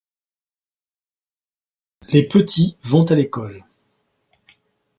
Les petits vont à l'école.